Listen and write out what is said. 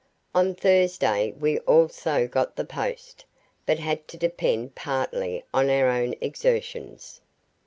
On Thursday we also got the post, but had to depend partly on our own exertions.